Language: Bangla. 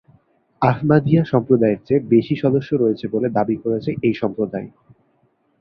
আহমদিয়া সম্প্রদায়ের চেয়ে বেশি সদস্য রয়েছে বলে দাবি করেছে এই সম্প্রদায়।